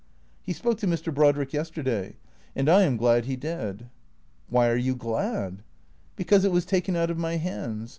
He spoke to Mr. Brodrick yesterday. And I am glad he did." " Why are you glad ?"" Because it was taken out of my hands.